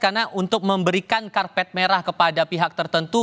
karena untuk memberikan karpet merah kepada pihak tertentu